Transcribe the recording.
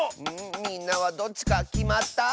みんなはどっちかきまった？